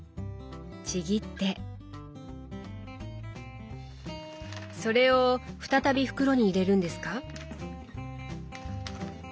ちぎってそれを再び袋に入れるんですか？